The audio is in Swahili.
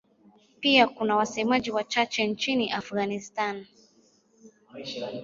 Pia kuna wasemaji wachache nchini Afghanistan.